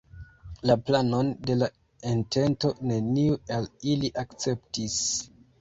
La planon de la entento neniu el ili akceptis.